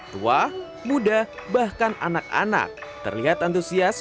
tua muda bahkan anak anak terlihat antusias